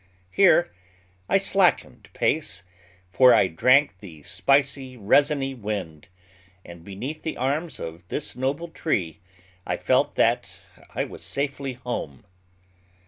Here I slackened pace, for I drank the spicy, resiny wind, and beneath the arms of this noble tree I felt that I was safely home.